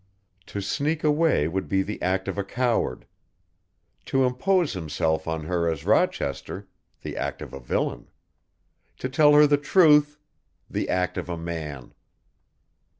To sneak away would be the act of a coward; to impose himself on her as Rochester, the act of a villain; to tell her the truth, the act of a man.